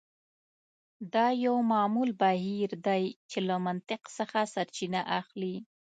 دا یو معمول بهیر دی چې له منطق څخه سرچینه اخلي